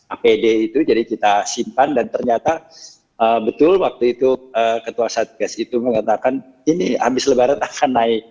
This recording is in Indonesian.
apd itu jadi kita simpan dan ternyata betul waktu itu ketua satgas itu mengatakan ini habis lebaran akan naik